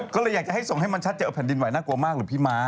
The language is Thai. ก็เลยอยากจะให้ส่งให้มันชัดเจนว่าแผ่นดินไหวน่ากลัวมากหรือพี่ม้า